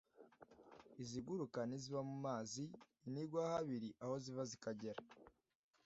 iziguruka n’iziba mu mazi, inigwahabiri aho ziva zikagera,